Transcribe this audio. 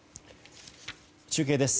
中継です。